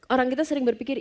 orang kita sering berpikir